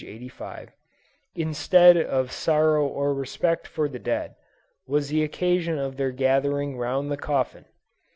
85,) instead of sorrow or respect for the dead, was the occasion of their gathering round the coffin!